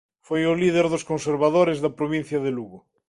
Foi o líder dos conservadores da provincia de Lugo.